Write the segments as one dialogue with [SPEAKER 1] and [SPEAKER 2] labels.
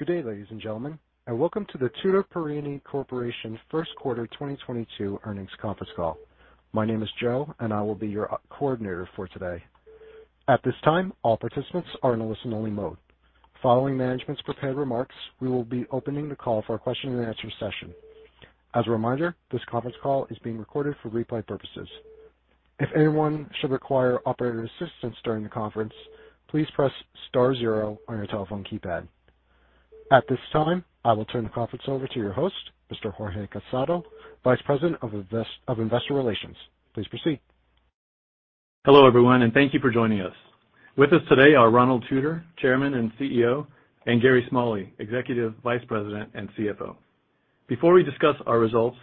[SPEAKER 1] Good day, ladies and gentlemen, and welcome to the Tutor Perini Corporation Q1 2022 earnings conference call. My name is Joe, and I will be your coordinator for today. At this time, all participants are in a listen only mode. Following management's prepared remarks, we will be opening the call for a question and answer session. As a reminder, this conference call is being recorded for replay purposes. If anyone should require operator assistance during the conference, please press star zero on your telephone keypad. At this time, I will turn the conference over to your host, Mr. Jorge Casado, Vice President of Investor Relations. Please proceed.
[SPEAKER 2] Hello, everyone, and thank you for joining us. With us today are Ronald Tutor, Chairman and CEO, and Gary Smalley, Executive Vice President and CFO. Before we discuss our results,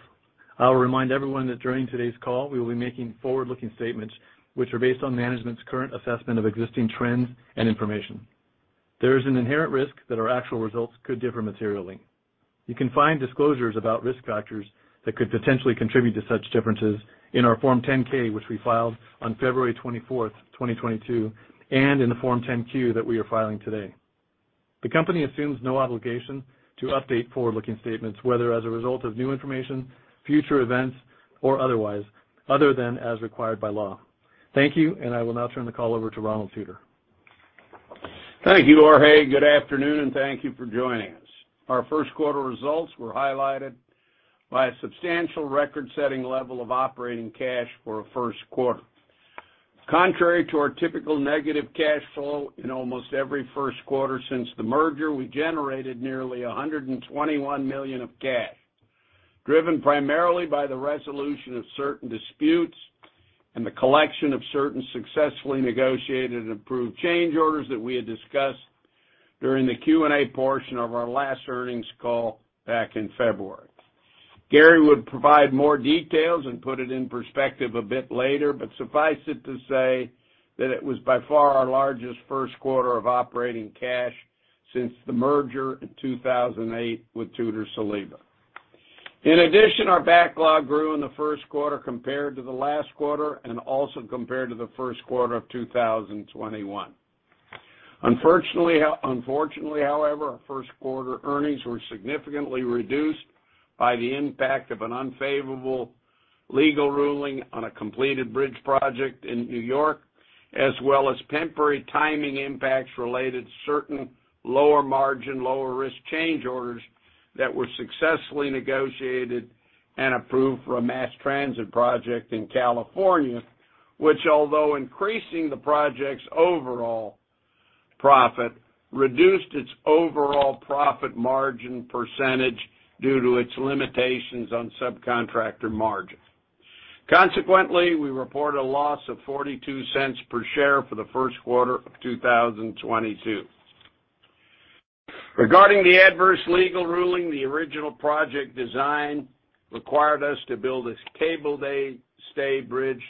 [SPEAKER 2] I'll remind everyone that during today's call, we will be making forward-looking statements which are based on management's current assessment of existing trends and information. There is an inherent risk that our actual results could differ materially. You can find disclosures about risk factors that could potentially contribute to such differences in our Form 10-K, which we filed on February 24th, 2022, and in the Form 10-Q that we are filing today. The company assumes no obligation to update forward-looking statements, whether as a result of new information, future events or otherwise, other than as required by law. Thank you, and I will now turn the call over to Ronald Tutor.
[SPEAKER 3] Thank you, Jorge. Good afternoon, and thank you for joining us. Our Q1 results were highlighted by a substantial record-setting level of operating cash for a Q1. Contrary to our typical negative cash flow in almost every Q1 since the merger, we generated nearly $121 million of cash, driven primarily by the resolution of certain disputes and the collection of certain successfully negotiated and approved change orders that we had discussed during the Q&A portion of our last earnings call back in February. Gary would provide more details and put it in perspective a bit later, but suffice it to say that it was by far our largest Q1 of operating cash since the merger in 2008 with Tutor-Saliba. In addition, our backlog grew in the Q1 compared to the last quarter and also compared to the Q1 of 2021. Unfortunately, however, our Q1 earnings were significantly reduced by the impact of an unfavorable legal ruling on a completed bridge project in New York, as well as temporary timing impacts related to certain lower margin, lower risk change orders that were successfully negotiated and approved for a mass transit project in California, which although increasing the project's overall profit, reduced its overall profit margin percentage due to its limitations on subcontractor margin. Consequently, we report a loss of $0.42 per share for the Q1 of 2022. Regarding the adverse legal ruling, the original project design required us to build a cable stay bridge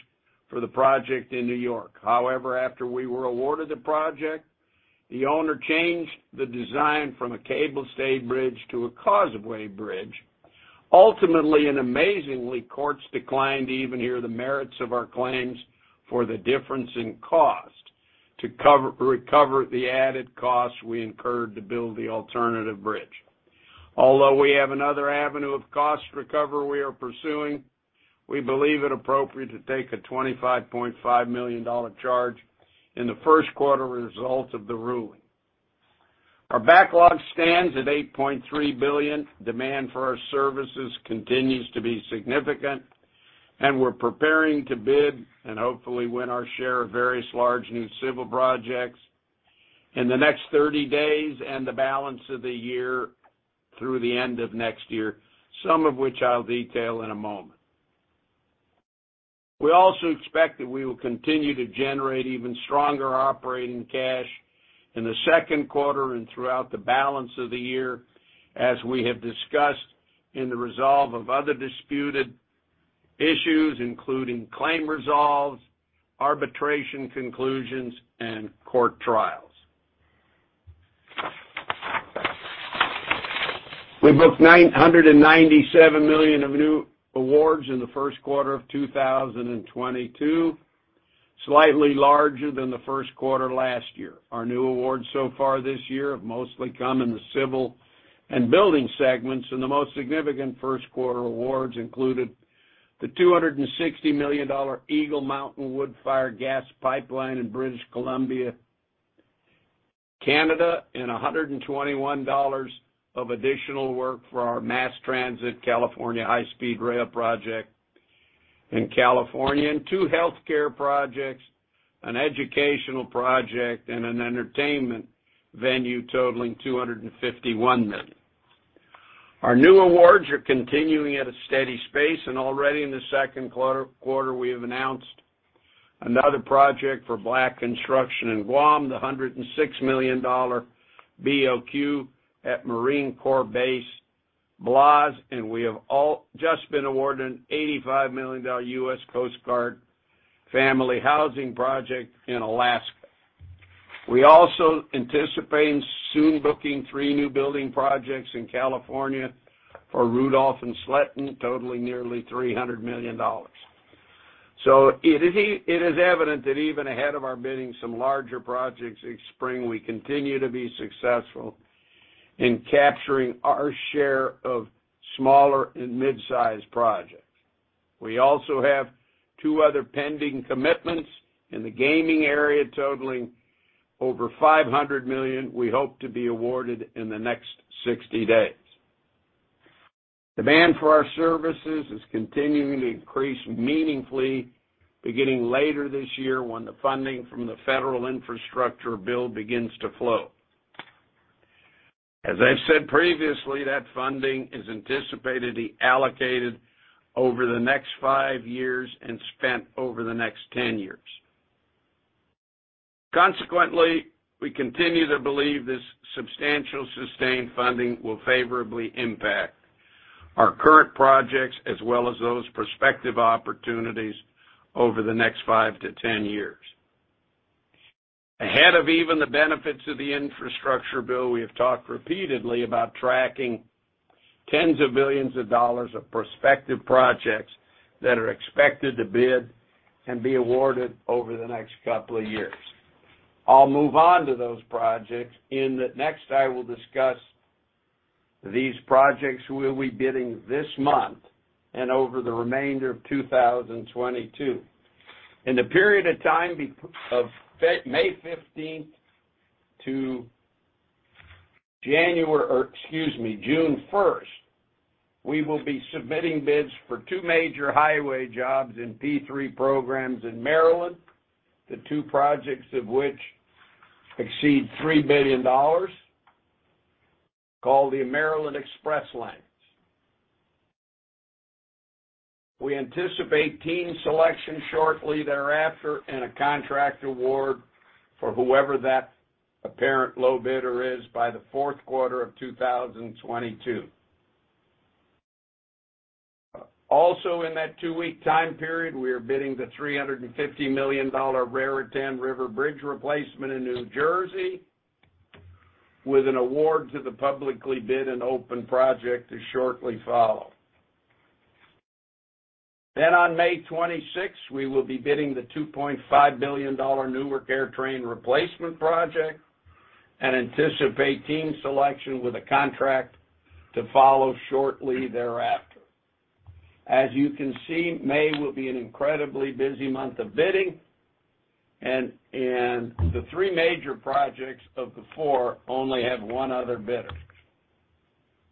[SPEAKER 3] for the project in New York. However, after we were awarded the project, the owner changed the design from a cable stay bridge to a causeway bridge. Ultimately, and amazingly, courts declined to even hear the merits of our claims for the difference in cost to recover the added cost we incurred to build the alternative bridge. Although we have another avenue of cost recovery we are pursuing, we believe it appropriate to take a $25.5 million charge in the Q1 results of the ruling. Our backlog stands at $8.3 billion. Demand for our services continues to be significant, and we're preparing to bid and hopefully win our share of various large new civil projects in the next 30 days and the balance of the year through the end of next year, some of which I'll detail in a moment. We expect that we will continue to generate even stronger operating cash flow in the Q2 and throughout the balance of the year as we have discussed in the resolution of other disputed issues, including claim resolutions, arbitration conclusions, and court trials. We booked $997 million of new awards in the Q1 of 2022, slightly larger than the Q1 last year. Our new awards so far this year have mostly come in the civil and building segments, and the most significant Q1 awards included the $260 million Eagle Mountain-Woodfibre Gas Pipeline in British Columbia, Canada, and $121 million of additional work for our mass transit California High-Speed Rail project in California, and two healthcare projects, an educational project, and an entertainment venue totaling $251 million. Our new awards are continuing at a steady pace, and already in the Q2, we have announced another project for Black Construction in Guam, the $106 million BOQ at Marine Corps Base Camp Blaz, and we have also just been awarded an $85 million U.S. Coast Guard family housing project in Alaska. We also anticipate soon booking three new building projects in California for Rudolph and Sletten, totaling nearly $300 million. It is evident that even ahead of our bidding on some larger projects each spring, we continue to be successful in capturing our share of smaller and mid-sized projects. We also have two other pending commitments in the gaming area totaling over $500 million we hope to be awarded in the next 60 days. Demand for our services is continuing to increase meaningfully beginning later this year when the funding from the federal infrastructure bill begins to flow. I've said previously, that funding is anticipated to be allocated over the next five years and spent over the next 10 years. Consequently, we continue to believe this substantial sustained funding will favorably impact our current projects as well as those prospective opportunities over the next five to 10 years. Ahead of even the benefits of the infrastructure bill, we have talked repeatedly about tracking tens of billions of dollars of prospective projects that are expected to bid and be awarded over the next couple of years. I'll move on to those projects. I will discuss these projects we'll be bidding this month and over the remainder of 2022. In the period of time of May 15 to June 1, we will be submitting bids for two major highway jobs in P3 programs in Maryland. The two projects of which exceed $3 billion, called the Maryland Express Lanes. We anticipate team selection shortly thereafter and a contract award for whoever that apparent low bidder is by the Q4 of 2022. Also in that two-week time period, we are bidding the $350 million Raritan River Bridge replacement in New Jersey with an award to the publicly bid and open project to shortly follow. On May 26, we will be bidding the $2.5 billion Newark AirTrain replacement project and anticipate team selection with a contract to follow shortly thereafter. As you can see, May will be an incredibly busy month of bidding and the three major projects of the four only have one other bidder.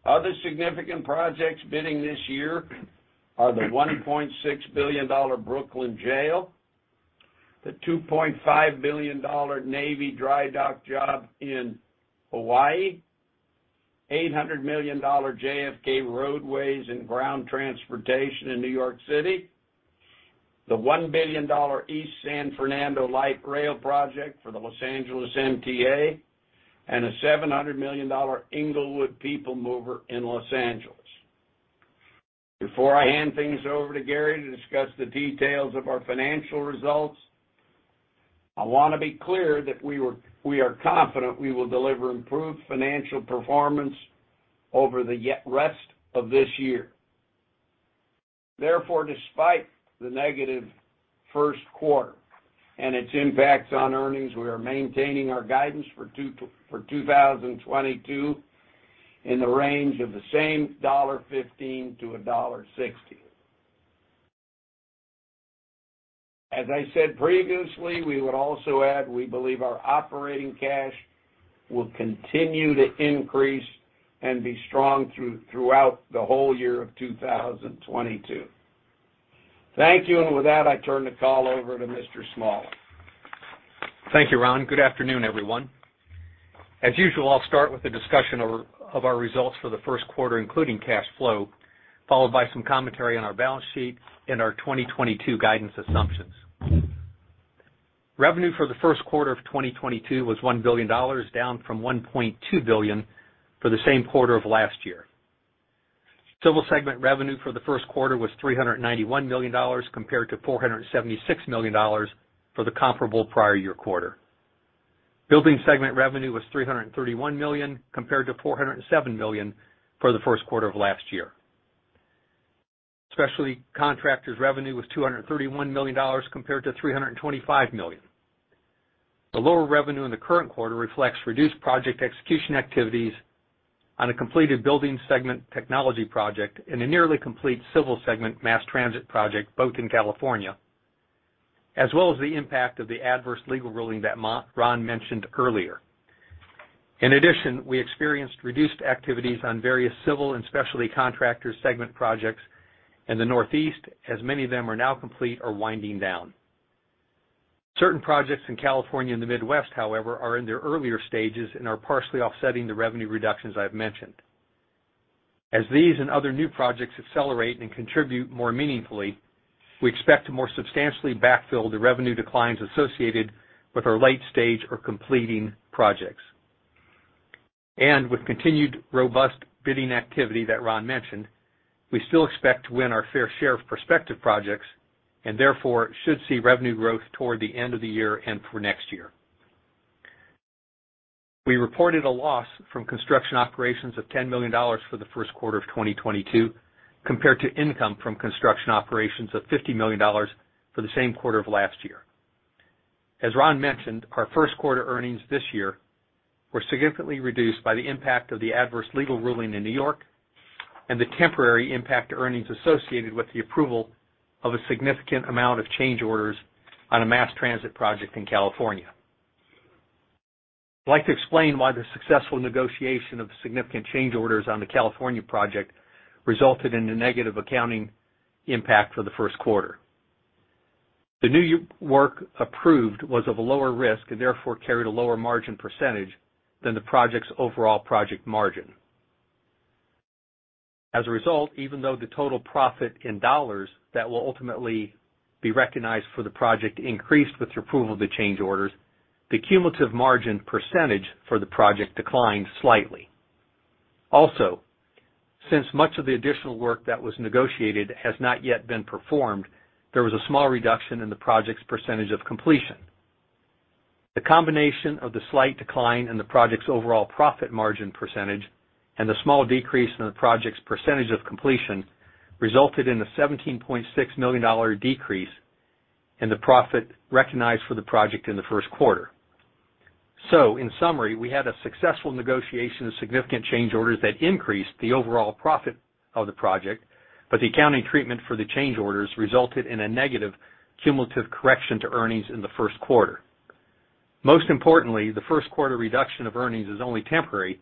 [SPEAKER 3] Other significant projects bidding this year are the $1.6 billion Brooklyn Jail, the $2.5 billion Navy Dry Dock job in Hawaii, $800 million JFK Roadways and Ground Transportation in New York City, the $1 billion East San Fernando Light Rail project for the Los Angeles MTA, and a $700 million Inglewood People Mover in Los Angeles. Before I hand things over to Gary to discuss the details of our financial results, I wanna be clear that we are confident we will deliver improved financial performance over the rest of this year. Therefore, despite the negative Q1 and its impacts on earnings, we are maintaining our guidance for 2022 in the range of $1.15-$1.60. As I said previously, we would also add, we believe our operating cash will continue to increase and be strong throughout the whole year of 2022. Thank you. With that, I turn the call over to Mr. Smalley.
[SPEAKER 4] Thank you, Ron. Good afternoon, everyone. As usual, I'll start with a discussion of our results for the Q1, including cash flow, followed by some commentary on our balance sheet and our 2022 guidance assumptions. Revenue for the Q1 of 2022 was $1 billion, down from $1.2 billion for the same quarter of last year. Civil segment revenue for the Q1 was $391 million compared to $476 million for the comparable prior year quarter. Building segment revenue was $331 million compared to $407 million for the Q1 of last year. Specialty contractors' revenue was $231 million compared to $325 million. The lower revenue in the current quarter reflects reduced project execution activities on a completed building segment technology project and a nearly complete civil segment mass transit project both in California, as well as the impact of the adverse legal ruling that Ron mentioned earlier. In addition, we experienced reduced activities on various civil and specialty contractors segment projects in the Northeast, as many of them are now complete or winding down. Certain projects in California and the Midwest, however, are in their earlier stages and are partially offsetting the revenue reductions I've mentioned. As these and other new projects accelerate and contribute more meaningfully, we expect to more substantially backfill the revenue declines associated with our late-stage or completing projects. With continued robust bidding activity that Ron mentioned, we still expect to win our fair share of prospective projects and therefore should see revenue growth toward the end of the year and for next year. We reported a loss from construction operations of $10 million for the Q1 of 2022, compared to income from construction operations of $50 million for the same quarter of last year. As Ron mentioned, our Q1 earnings this year were significantly reduced by the impact of the adverse legal ruling in New York and the temporary impact to earnings associated with the approval of a significant amount of change orders on a mass transit project in California. I'd like to explain why the successful negotiation of significant change orders on the California project resulted in a negative accounting impact for the Q1. The new work approved was of a lower risk and therefore carried a lower margin percentage than the project's overall project margin. As a result, even though the total profit in dollars that will ultimately be recognized for the project increased with the approval of the change orders, the cumulative margin percentage for the project declined slightly. Also, since much of the additional work that was negotiated has not yet been performed, there was a small reduction in the project's percentage of completion. The combination of the slight decline in the project's overall profit margin percentage and the small decrease in the project's percentage of completion resulted in a $17.6 million decrease in the profit recognized for the project in the Q1. In summary, we had a successful negotiation of significant change orders that increased the overall profit of the project, but the accounting treatment for the change orders resulted in a negative cumulative correction to earnings in the Q1. Most importantly, the Q1 reduction of earnings is only temporary,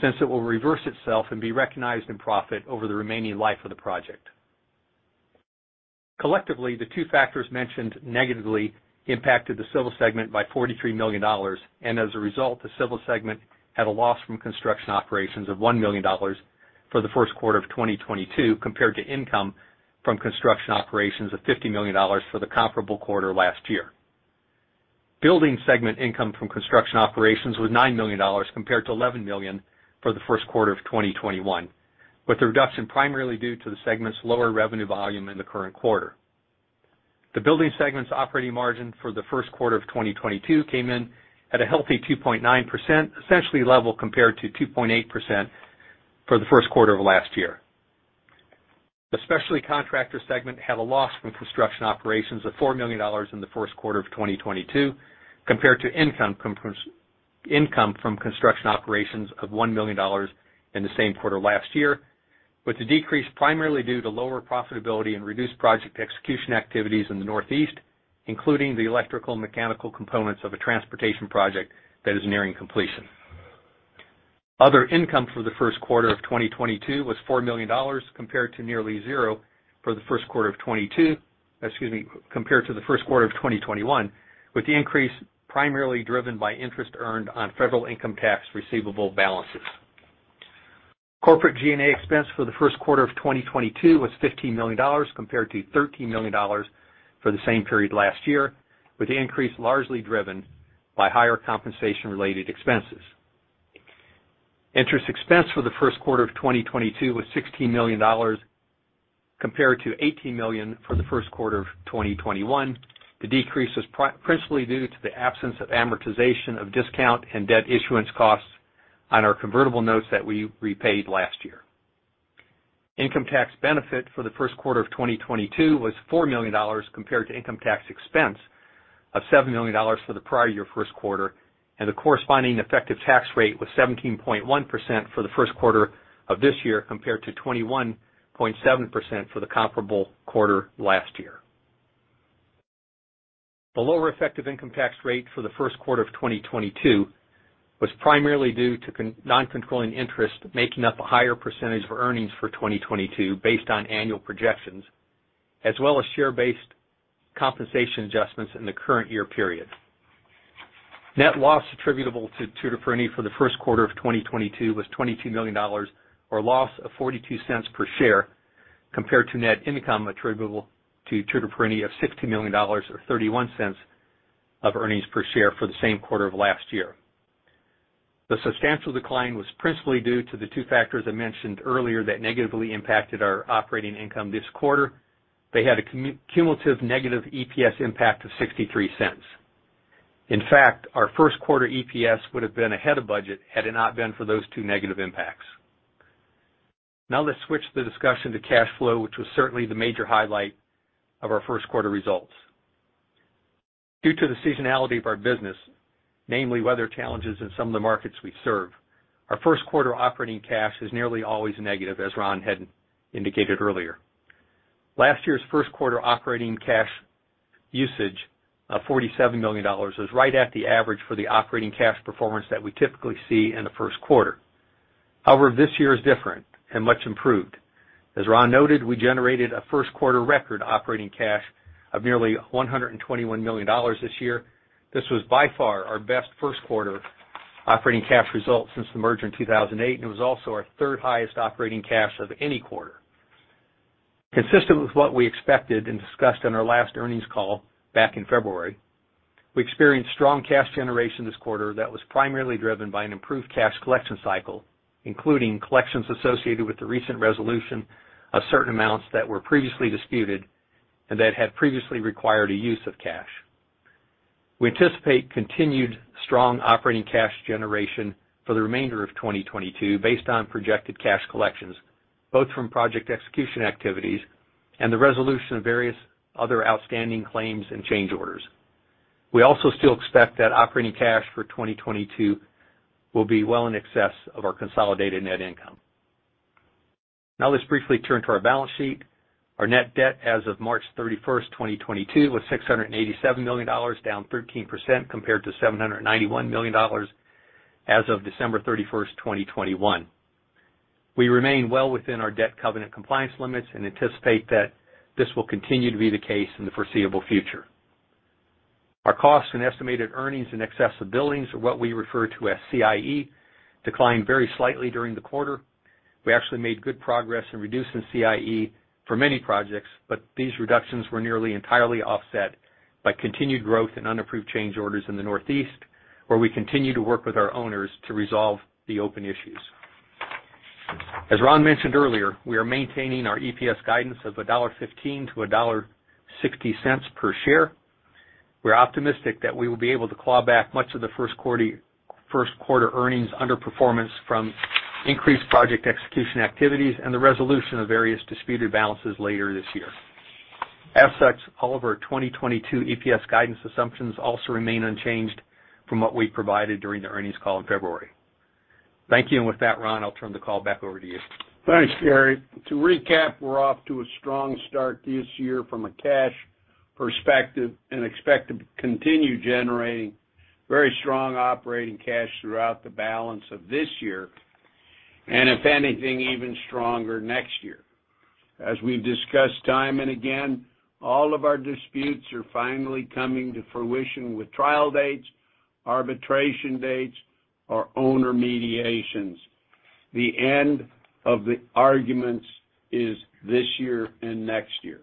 [SPEAKER 4] since it will reverse itself and be recognized in profit over the remaining life of the project. Collectively, the two factors mentioned negatively impacted the Civil segment by $43 million, and as a result, the Civil segment had a loss from construction operations of $1 million for the Q1 of 2022, compared to income from construction operations of $50 million for the comparable quarter last year. Building segment income from construction operations was $9 million compared to $11 million for the Q1 of 2021, with the reduction primarily due to the segment's lower revenue volume in the current quarter. The building segment's operating margin for the Q1 of 2022 came in at a healthy 2.9%, essentially level compared to 2.8% for the Q1 of last year. The Specialty Contractor segment had a loss from construction operations of $4 million in the Q1 of 2022 compared to income from construction operations of $1 million in the same quarter last year, with the decrease primarily due to lower profitability and reduced project execution activities in the Northeast, including the electrical and mechanical components of a transportation project that is nearing completion. Other income for the Q1 of 2022 was $4 million compared to nearly $0 for the Q1 of 2022. Excuse me, compared to the Q1 of 2021, with the increase primarily driven by interest earned on federal income tax receivable balances. Corporate G&A expense for the Q1 of 2022 was $15 million compared to $13 million for the same period last year, with the increase largely driven by higher compensation-related expenses. Interest expense for the Q1 of 2022 was $16 million compared to $18 million for the Q1 of 2021. The decrease is principally due to the absence of amortization of discount and debt issuance costs on our convertible notes that we repaid last year. Income tax benefit for the Q1 of 2022 was $4 million compared to income tax expense of $7 million for the prior year Q1, and the corresponding effective tax rate was 17.1% for the Q1 of this year, compared to 21.7% for the comparable quarter last year. The lower effective income tax rate for the Q1 of 2022 was primarily due to non-controlling interest making up a higher percentage of earnings for 2022 based on annual projections, as well as share-based compensation adjustments in the current year period. Net loss attributable to Tutor Perini for the Q1 of 2022 was $22 million, or a loss of $0.42 per share, compared to net income attributable to Tutor Perini of $60 million, or $0.31 earnings per share for the same quarter of last year. The substantial decline was principally due to the two factors I mentioned earlier that negatively impacted our operating income this quarter. They had a cumulative negative EPS impact of $0.63. In fact, our Q1 EPS would have been ahead of budget had it not been for those two negative impacts. Now let's switch the discussion to cash flow, which was certainly the major highlight of our Q1 results. Due to the seasonality of our business, namely weather challenges in some of the markets we serve, our Q1 operating cash is nearly always negative, as Ron had indicated earlier. Last year's Q1 operating cash usage of $47 million was right at the average for the operating cash performance that we typically see in the Q1. However, this year is different and much improved. As Ron noted, we generated a Q1 record operating cash of nearly $121 million this year. This was by far our best Q1 operating cash result since the merger in 2008, and it was also our third highest operating cash of any quarter. Consistent with what we expected and discussed on our last earnings call back in February, we experienced strong cash generation this quarter that was primarily driven by an improved cash collection cycle, including collections associated with the recent resolution of certain amounts that were previously disputed, and that had previously required a use of cash. We anticipate continued strong operating cash generation for the remainder of 2022 based on projected cash collections, both from project execution activities and the resolution of various other outstanding claims and change orders. We also still expect that operating cash for 2022 will be well in excess of our consolidated net income. Now let's briefly turn to our balance sheet. Our net debt as of March 31st, 2022 was $687 million, down 13% compared to $791 million as of December 31st, 2021. We remain well within our debt covenant compliance limits and anticipate that this will continue to be the case in the foreseeable future. Our costs and estimated earnings in excess of billings are what we refer to as CIE, declined very slightly during the quarter. We actually made good progress in reducing CIE for many projects, but these reductions were nearly entirely offset by continued growth in unapproved change orders in the Northeast, where we continue to work with our owners to resolve the open issues. As Ron mentioned earlier, we are maintaining our EPS guidance of $1.15-$1.60 per share. We're optimistic that we will be able to claw back much of the Q1 earnings underperformance from increased project execution activities and the resolution of various disputed balances later this year. As such, all of our 2022 EPS guidance assumptions also remain unchanged from what we provided during the earnings call in February. Thank you. With that, Ron, I'll turn the call back over to you.
[SPEAKER 3] Thanks, Gary. To recap, we're off to a strong start this year from a cash perspective and expect to continue generating very strong operating cash throughout the balance of this year, and if anything, even stronger next year. As we've discussed time and again, all of our disputes are finally coming to fruition with trial dates, arbitration dates, or owner mediations. The end of the arguments is this year and next year.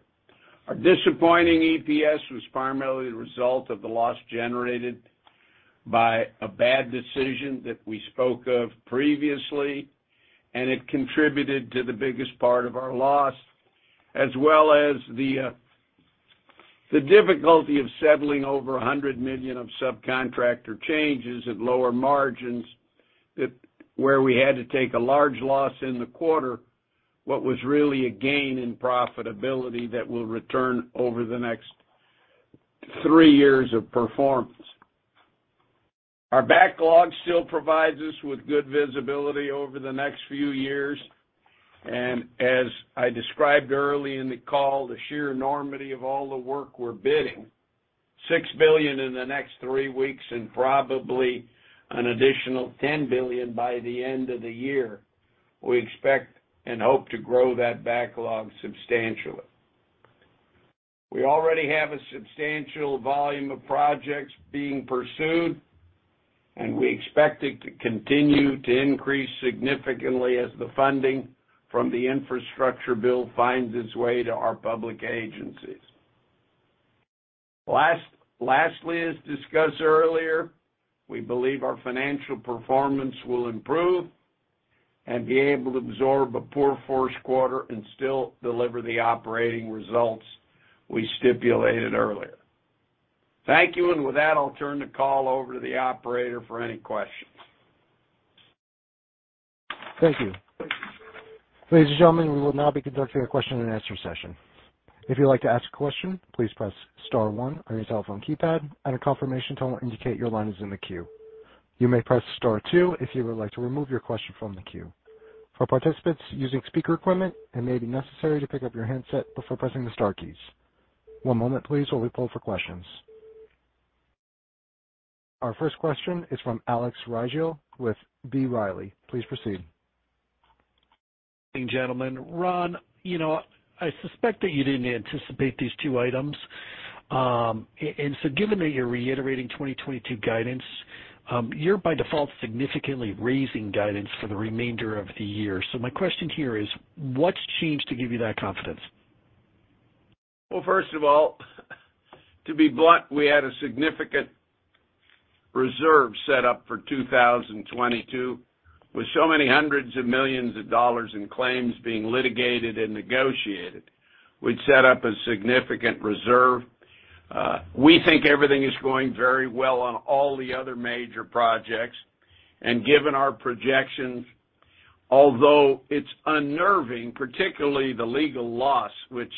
[SPEAKER 3] Our disappointing EPS was primarily the result of the loss generated by a bad decision that we spoke of previously, and it contributed to the biggest part of our loss, as well as the difficulty of settling over $100 million of subcontractor changes at lower margins, where we had to take a large loss in the quarter, what was really a gain in profitability that will return over the next three years of performance. Our backlog still provides us with good visibility over the next few years, and as I described early in the call, the sheer enormity of all the work we're bidding, $6 billion in the next three weeks and probably an additional $10 billion by the end of the year. We expect and hope to grow that backlog substantially. We already have a substantial volume of projects being pursued, and we expect it to continue to increase significantly as the funding from the infrastructure bill finds its way to our public agencies. Lastly, as discussed earlier, we believe our financial performance will improve and be able to absorb a poor Q1 and still deliver the operating results we stipulated earlier. Thank you. With that, I'll turn the call over to the operator for any questions.
[SPEAKER 1] Thank you. Ladies and gentlemen, we will now be conducting a question-and-answer session. If you'd like to ask a question, please press star one on your telephone keypad and a confirmation tone will indicate your line is in the queue. You may press star two if you would like to remove your question from the queue. For participants using speaker equipment, it may be necessary to pick up your handset before pressing the star keys. One moment please while we pull for questions. Our first question is from Alex Rygiel with B. Riley. Please proceed.
[SPEAKER 5] Gentlemen. Ron, you know, I suspect that you didn't anticipate these two items. Given that you're reiterating 2022 guidance, you're by default significantly raising guidance for the remainder of the year. My question here is, what's changed to give you that confidence?
[SPEAKER 3] Well, first of all, to be blunt, we had a significant reserve set up for 2022. With so many hundreds of millions of dollars in claims being litigated and negotiated, we'd set up a significant reserve. We think everything is going very well on all the other major projects. Given our projections, although it's unnerving, particularly the legal loss, which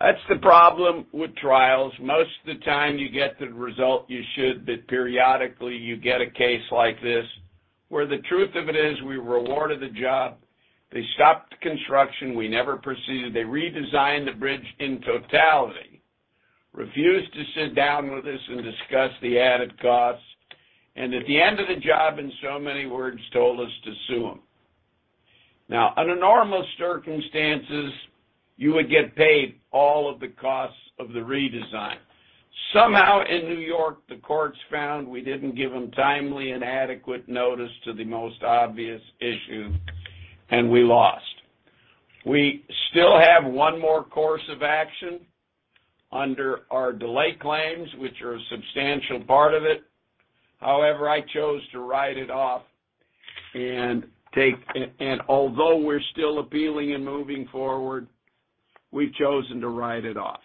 [SPEAKER 3] that's the problem with trials. Most of the time you get the result you should, but periodically you get a case like this where the truth of it is we were awarded the job, they stopped construction, we never proceeded. They redesigned the bridge in totality, refused to sit down with us and discuss the added costs. At the end of the job, in so many words, told us to sue them. Now, under normal circumstances, you would get paid all of the costs of the redesign. Somehow in New York, the courts found we didn't give them timely and adequate notice to the most obvious issue, and we lost. We still have one more course of action. Under our delay claims, which are a substantial part of it. However, I chose to write it off and although we're still appealing and moving forward, we've chosen to write it off.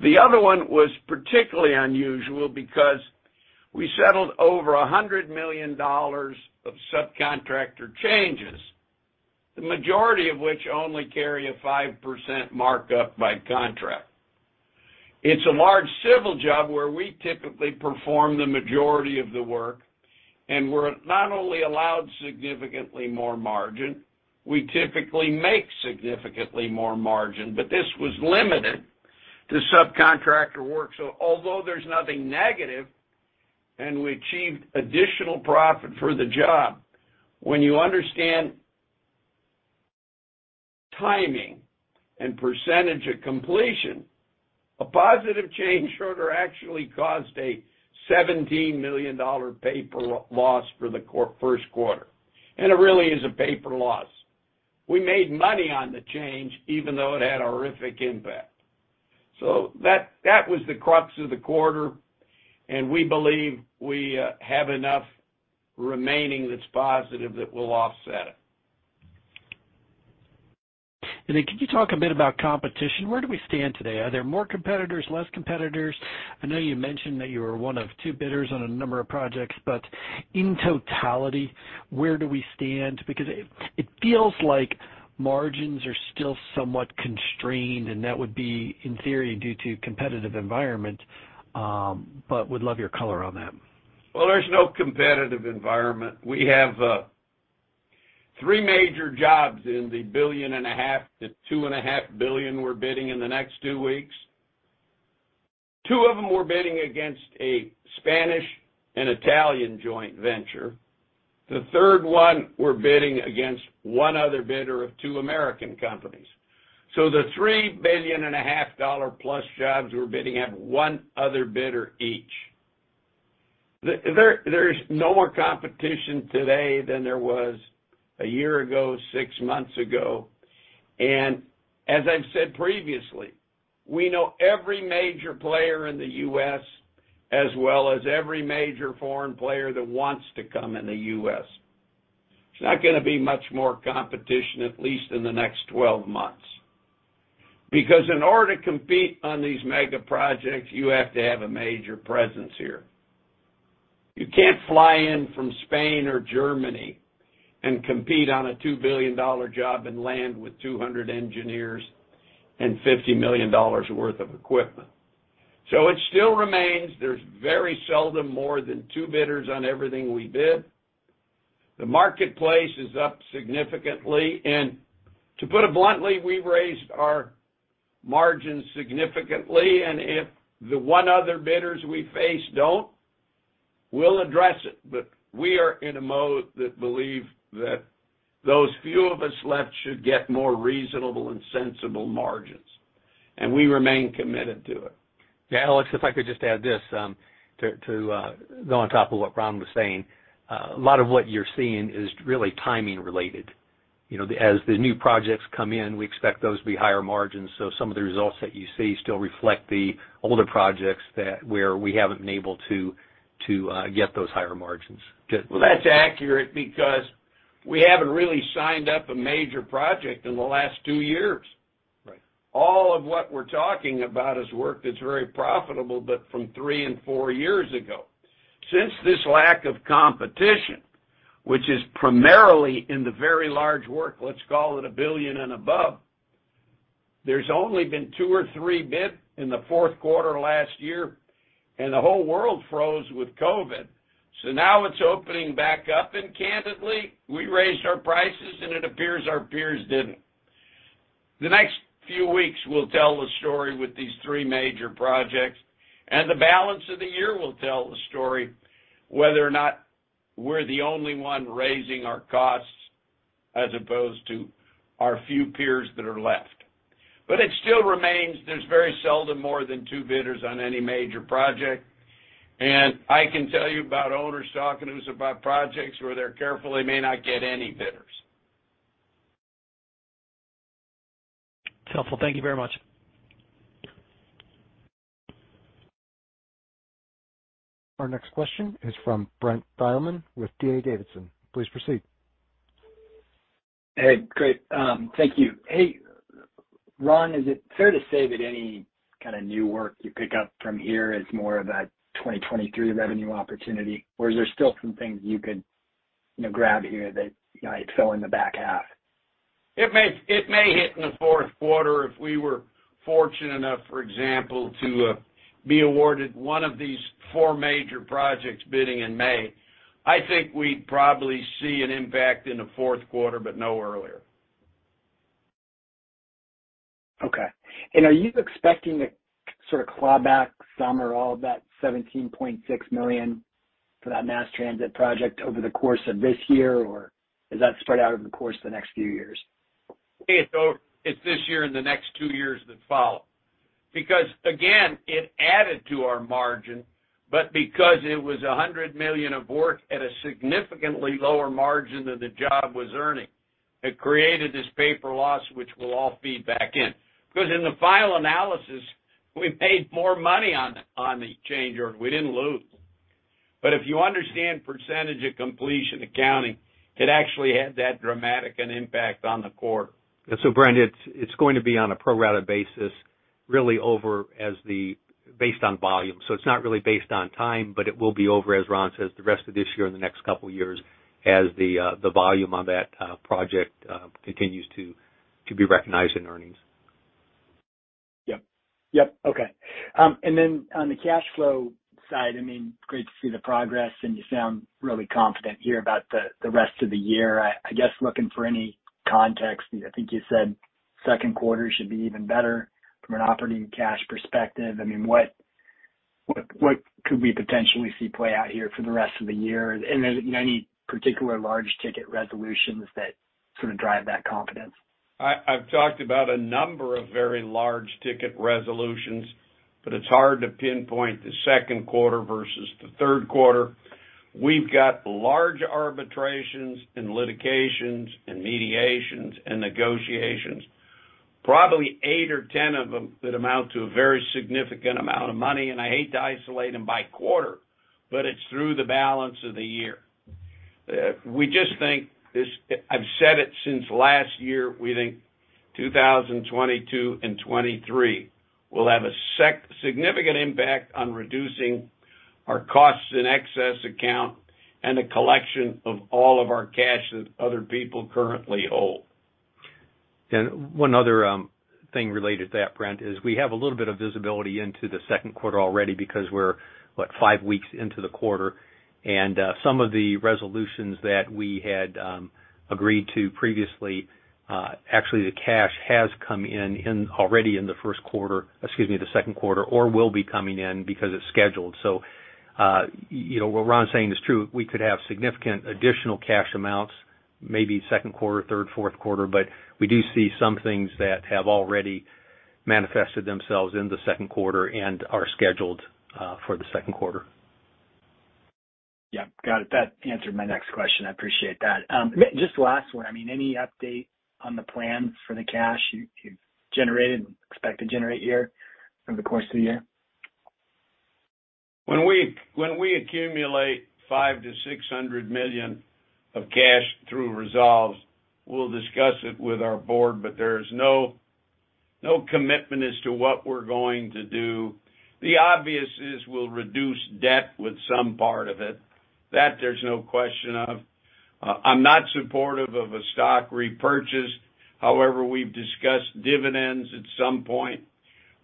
[SPEAKER 3] The other one was particularly unusual because we settled over $100 million of subcontractor changes, the majority of which only carry a 5% markup by contract. It's a large civil job where we typically perform the majority of the work, and we're not only allowed significantly more margin, we typically make significantly more margin. This was limited to subcontractor work. Although there's nothing negative and we achieved additional profit for the job, when you understand timing and percentage of completion, a positive change order actually caused a $17 million paper loss for the Q1. It really is a paper loss. We made money on the change even though it had a horrific impact. That was the crux of the quarter, and we believe we have enough remaining that's positive that we'll offset it.
[SPEAKER 5] Could you talk a bit about competition? Where do we stand today? Are there more competitors, less competitors? I know you mentioned that you were one of two bidders on a number of projects, but in totality, where do we stand? Because it feels like margins are still somewhat constrained, and that would be in theory due to competitive environment, but would love your color on that.
[SPEAKER 3] Well, there's no competitive environment. We have three major jobs in the $1.5 billion-$2.5 billion we're bidding in the next two weeks. Two of them we're bidding against a Spanish and Italian joint venture. The third one, we're bidding against one other bidder of two American companies. The $3.5 billion plus jobs we're bidding have one other bidder each. There is no more competition today than there was a year ago, six months ago. As I've said previously, we know every major player in the U.S. as well as every major foreign player that wants to come in the U.S. It's not gonna be much more competition, at least in the next 12 months. Because in order to compete on these mega projects, you have to have a major presence here. You can't fly in from Spain or Germany and compete on a $2 billion job and land with 200 engineers and $50 million worth of equipment. It still remains, there's very seldom more than two bidders on everything we bid. The marketplace is up significantly. To put it bluntly, we've raised our margins significantly, and if the one other bidders we face don't, we'll address it. We are in a mode that believe that those few of us left should get more reasonable and sensible margins, and we remain committed to it.
[SPEAKER 4] Yeah. Alex, if I could just add this, to go on top of what Ron was saying. A lot of what you're seeing is really timing related. You know, as the new projects come in, we expect those to be higher margins. Some of the results that you see still reflect the older projects that, where we haven't been able to get those higher margins to-
[SPEAKER 3] Well, that's accurate because we haven't really signed up a major project in the last two years.
[SPEAKER 4] Right.
[SPEAKER 3] All of what we're talking about is work that's very profitable, but from three and four years ago. Since this lack of competition, which is primarily in the very large work, let's call it $1 billion and above, there's only been two or three bids in the Q4 last year, and the whole world froze with COVID. Now it's opening back up, and candidly, we raised our prices and it appears our peers didn't. The next few weeks will tell the story with these three major projects, and the balance of the year will tell the story whether or not we're the only one raising our costs as opposed to our few peers that are left. It still remains, there's very seldom more than two bidders on any major project. I can tell you about owners talking to us about projects where they're careful they may not get any bidders.
[SPEAKER 5] It's helpful. Thank you very much.
[SPEAKER 1] Our next question is from Brent Thielman with D.A. Davidson. Please proceed.
[SPEAKER 6] Hey. Great. Thank you. Hey, Ron, is it fair to say that any kinda new work you pick up from here is more of a 2023 revenue opportunity, or is there still some things you could, you know, grab here that, you know, it fill in the back half?
[SPEAKER 3] It may hit in the Q4 if we were fortunate enough, for example, to be awarded one of these four major projects bidding in May. I think we'd probably see an impact in the Q4, but no earlier.
[SPEAKER 6] Okay. Are you expecting to sort of claw back some or all of that $17.6 million for that mass transit project over the course of this year, or is that spread out over the course of the next few years?
[SPEAKER 3] It's this year and the next two years that follow. Because, again, it added to our margin, but because it was $100 million of work at a significantly lower margin than the job was earning. It created this paper loss, which will all feed back in. Because in the final analysis, we paid more money on the change order. We didn't lose. But if you understand percentage of completion accounting, it actually had that dramatic an impact on the quarter.
[SPEAKER 4] Brent, it's going to be on a pro rata basis, really over based on volume. It's not really based on time, but it will be over, as Ron says, the rest of this year or the next couple of years as the volume on that project continues to be recognized in earnings.
[SPEAKER 6] On the cash flow side, I mean, great to see the progress, and you sound really confident here about the rest of the year. I guess looking for any context. I think you said Q2 should be even better from an operating cash perspective. I mean, what could we potentially see play out here for the rest of the year? Any particular large ticket resolutions that sort of drive that confidence?
[SPEAKER 3] I've talked about a number of very large ticket resolutions, but it's hard to pinpoint the Q2 versus the Q3. We've got large arbitrations and litigations and mediations and negotiations, probably eight or 10 of them that amount to a very significant amount of money. I hate to isolate them by quarter, but it's through the balance of the year. We just think this. I've said it since last year, we think 2022 and 2023 will have a significant impact on reducing our costs and excess accounts and the collection of all of our cash that other people currently hold.
[SPEAKER 4] One other thing related to that, Brent, is we have a little bit of visibility into the Q2 already because we're, what, five weeks into the quarter. Some of the resolutions that we had agreed to previously, actually the cash has come in already in the Q1, excuse me, the Q2, or will be coming in because it's scheduled. You know, what Ron's saying is true. We could have significant additional cash amounts, maybe Q2, Q3, Q4, but we do see some things that have already manifested themselves in the Q2 and are scheduled for the Q2.
[SPEAKER 6] Yeah, got it. That answered my next question. I appreciate that. Just last one. I mean, any update on the plans for the cash you've generated and expect to generate here over the course of the year?
[SPEAKER 3] When we accumulate $500 million-$600 million of cash through resolves, we'll discuss it with our board, but there is no commitment as to what we're going to do. The obvious is we'll reduce debt with some part of it. That there's no question of. I'm not supportive of a stock repurchase. However, we've discussed dividends at some point.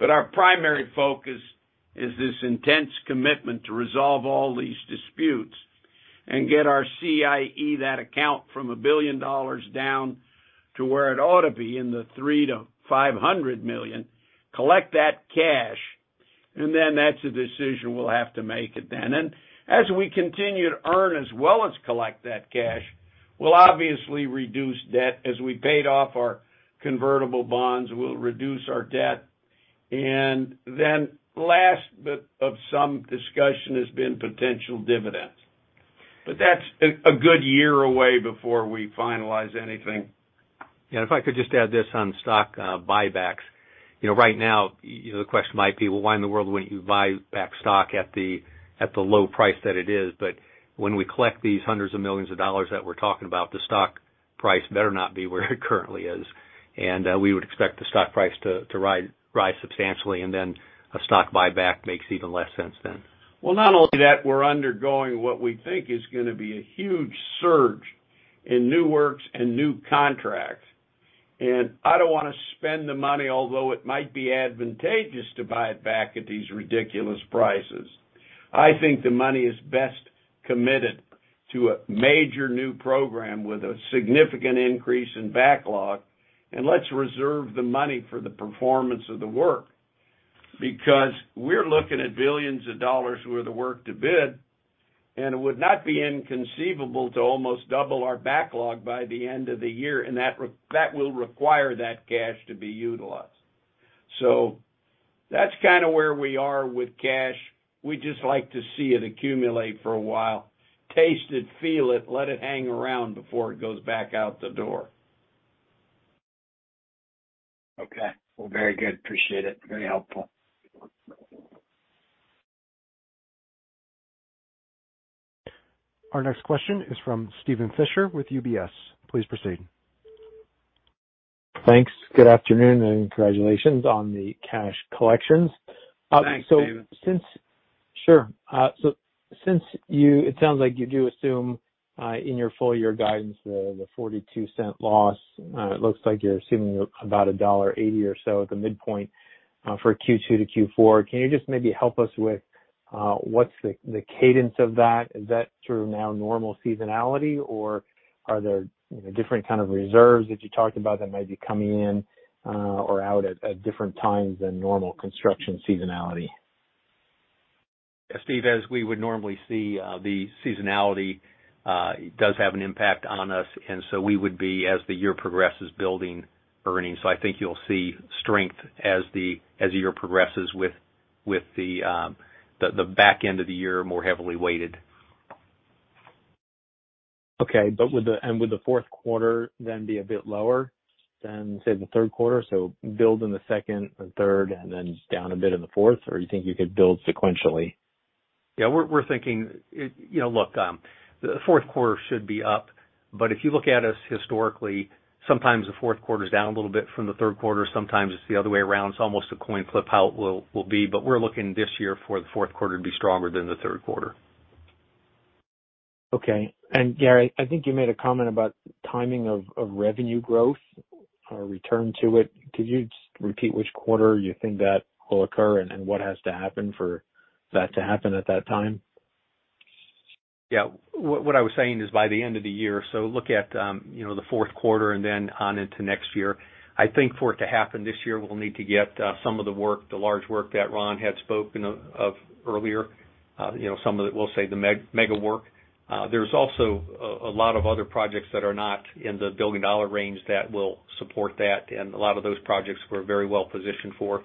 [SPEAKER 3] Our primary focus is this intense commitment to resolve all these disputes and get our CIE, that account, from billion down to where it ought to be in the $300 million-$500 million, collect that cash, and then that's a decision we'll have to make it then. As we continue to earn as well as collect that cash, we'll obviously reduce debt. As we paid off our convertible bonds, we'll reduce our debt. Last bit of some discussion has been potential dividends. That's a good year away before we finalize anything.
[SPEAKER 4] Yeah, if I could just add this on stock buybacks. You know, right now, the question might be, well, why in the world wouldn't you buy back stock at the low price that it is? When we collect these hundreds of millions that we're talking about, the stock price better not be where it currently is. We would expect the stock price to rise substantially, and then a stock buyback makes even less sense than.
[SPEAKER 3] Well, not only that, we're undergoing what we think is gonna be a huge surge in new works and new contracts. I don't wanna spend the money, although it might be advantageous to buy it back at these ridiculous prices. I think the money is best committed to a major new program with a significant increase in backlog, and let's reserve the money for the performance of the work. Because we're looking at billions of dollars' worth of work to bid, and it would not be inconceivable to almost double our backlog by the end of the year, and that will require that cash to be utilized. That's kind of where we are with cash. We just like to see it accumulate for a while, taste it, feel it, let it hang around before it goes back out the door.
[SPEAKER 6] Okay. Well, very good. Appreciate it. Very helpful.
[SPEAKER 1] Our next question is from Steven Fisher with UBS. Please proceed.
[SPEAKER 7] Thanks. Good afternoon and congratulations on the cash collections.
[SPEAKER 3] Thanks, Steven.
[SPEAKER 7] It sounds like you do assume, in your full year guidance, the $0.42 loss. It looks like you're assuming about $1.80 or so at the midpoint, for Q2 to Q4. Can you just maybe help us with what's the cadence of that? Is that through normal seasonality or are there, you know, different kind of reserves that you talked about that might be coming in or out at different times than normal construction seasonality?
[SPEAKER 4] Steve, as we would normally see, the seasonality does have an impact on us, and we would be, as the year progresses, building earnings. I think you'll see strength as the year progresses with the back end of the year more heavily weighted.
[SPEAKER 7] Okay. Would the Q4 then be a bit lower than, say, the Q3? Build in the second and third and then down a bit in the fourth, or you think you could build sequentially?
[SPEAKER 4] Yeah. We're thinking, you know, look, the Q4 should be up, but if you look at us historically, sometimes the Q4 is down a little bit from the Q3, sometimes it's the other way around. It's almost a coin flip how it will be. We're looking this year for the Q4 to be stronger than the Q3.
[SPEAKER 7] Okay. Gary, I think you made a comment about timing of revenue growth, return to it. Could you just repeat which quarter you think that will occur and what has to happen for that to happen at that time?
[SPEAKER 4] Yeah. What I was saying is by the end of the year, so look at, you know, the Q4 and then on into next year. I think for it to happen this year, we'll need to get some of the work, the large work that Ron had spoken of earlier, you know, some of it we'll say the mega work. There's also a lot of other projects that are not in the billion-dollar range that will support that, and a lot of those projects we're very well positioned for,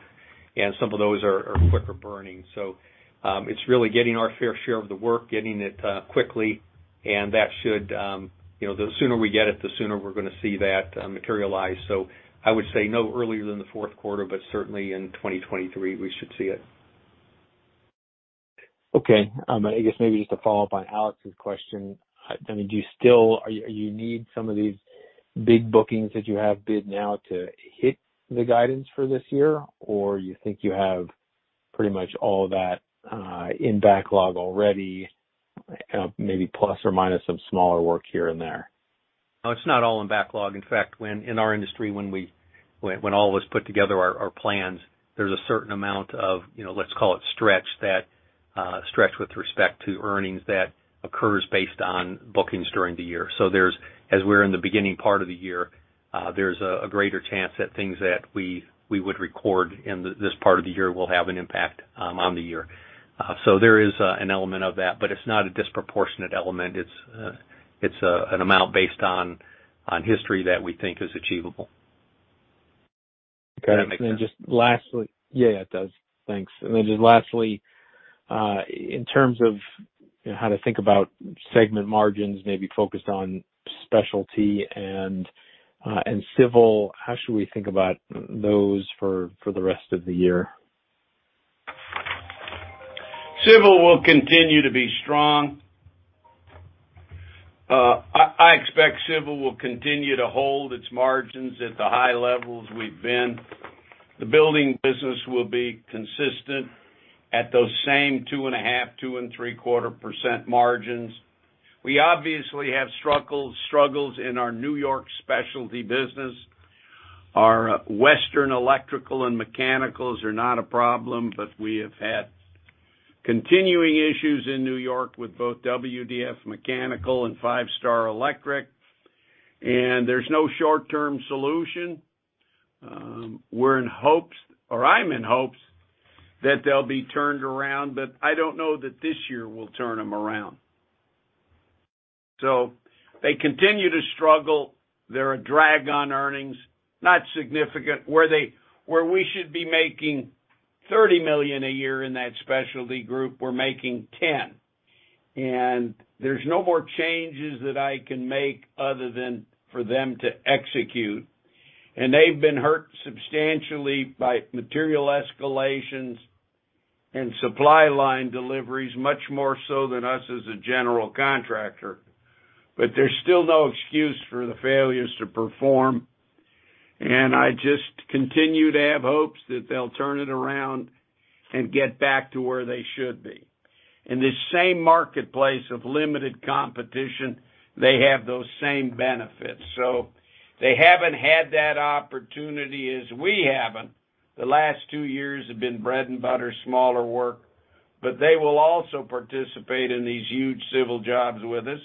[SPEAKER 4] and some of those are quicker burning. So it's really getting our fair share of the work, getting it quickly, and that should, you know, the sooner we get it, the sooner we're gonna see that materialize. I would say no earlier than the Q4, but certainly in 2023, we should see it.
[SPEAKER 7] Okay. I guess maybe just to follow up on Alex's question. I mean, do you still need some of these big bookings that you have bid on to hit the guidance for this year, or you think you have pretty much all that in backlog already, maybe plus or minus some smaller work here and there?
[SPEAKER 4] No, it's not all in backlog. In fact, when in our industry, when we all of us put together our plans, there's a certain amount of, you know, let's call it stretch with respect to earnings that occurs based on bookings during the year. As we're in the beginning part of the year, there's a greater chance that things that we would record in this part of the year will have an impact on the year. There is an element of that, but it's not a disproportionate element. It's an amount based on history that we think is achievable.
[SPEAKER 7] Okay.
[SPEAKER 4] Does that make sense?
[SPEAKER 7] Yeah, it does. Thanks. Then just lastly, in terms of how to think about segment margins, maybe focused on specialty and civil, how should we think about those for the rest of the year?
[SPEAKER 3] Civil will continue to be strong. I expect civil will continue to hold its margins at the high levels we've been. The building business will be consistent at those same 2.5%-2.75% margins. We obviously have struggles in our New York specialty business. Our Western electrical and mechanicals are not a problem, but we have had continuing issues in New York with both WDF Mechanical. and Five Star Electric, and there's no short-term solution. We're in hopes, or I'm in hopes that they'll be turned around, but I don't know that this year will turn them around. They continue to struggle. They're a drag on earnings, not significant. Where we should be making $30 million a year in that specialty group, we're making $10 million. There's no more changes that I can make other than for them to execute. They've been hurt substantially by material escalations and supply chain delays, much more so than us as a general contractor. There's still no excuse for the failures to perform. I just continue to have hopes that they'll turn it around and get back to where they should be. In this same marketplace of limited competition, they have those same benefits. They haven't had that opportunity as we haven't. The last two years have been bread and butter, smaller work, but they will also participate in these huge civil jobs with us,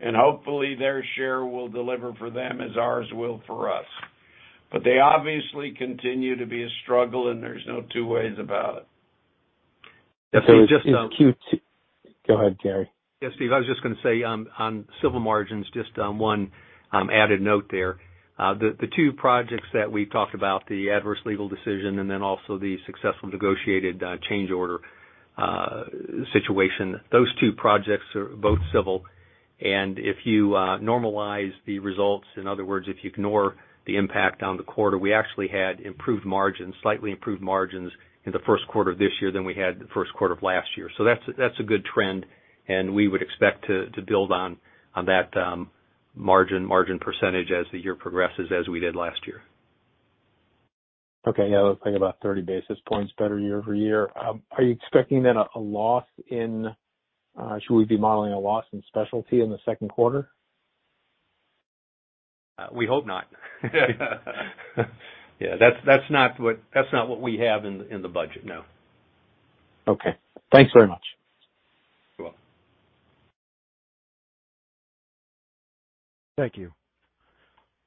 [SPEAKER 3] and hopefully, their share will deliver for them as ours will for us. They obviously continue to be a struggle, and there's no two ways about it.
[SPEAKER 4] Yeah, Steve, just-
[SPEAKER 7] In Q2. Go ahead, Gary.
[SPEAKER 4] Yeah, Steve, I was just gonna say on civil margins, just one added note there. The two projects that we've talked about, the adverse legal decision and then also the successful negotiated change order situation, those two projects are both civil. If you normalize the results, in other words, if you ignore the impact on the quarter, we actually had improved margins, slightly improved margins in the Q1 of this year than we had the Q1 of last year. That's a good trend, and we would expect to build on that margin percentage as the year progresses as we did last year.
[SPEAKER 7] Okay. Yeah. Let's think about 30 basis points better year-over-year. Are you expecting then a loss in, should we be modeling a loss in specialty in the Q2?
[SPEAKER 4] We hope not. Yeah. That's not what we have in the budget, no.
[SPEAKER 7] Okay. Thanks very much.
[SPEAKER 4] You're welcome.
[SPEAKER 1] Thank you.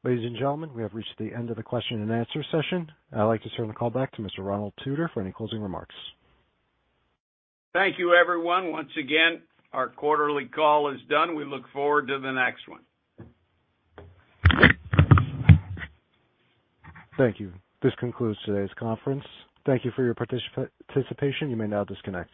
[SPEAKER 1] Ladies and gentlemen, we have reached the end of the question and answer session. I'd like to turn the call back to Mr. Ronald Tutor for any closing remarks.
[SPEAKER 3] Thank you, everyone. Once again, our quarterly call is done. We look forward to the next one.
[SPEAKER 1] Thank you. This concludes today's conference. Thank you for your participation. You may now disconnect.